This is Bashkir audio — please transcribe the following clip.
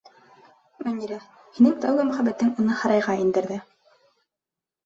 Мөнирә, һинең тәүге мөхәббәтең уны һарайға индерҙе!